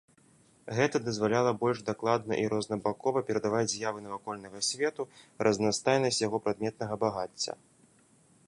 Гэта дазваляла больш дакладна і рознабакова перадаваць з'явы навакольнага свету, разнастайнасць яго прадметнага багацця.